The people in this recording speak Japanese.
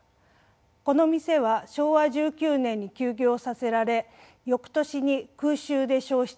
この店は昭和１９年に休業させられ翌年に空襲で焼失。